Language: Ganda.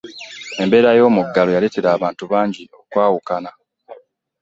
Embeera y'omuggalo yaletera abantu bangi okwawukana.